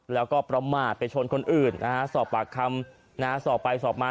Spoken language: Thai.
แล้วก็ประมาทไปชนคนอื่นนะฮะสอบปากคำสอบไปสอบมา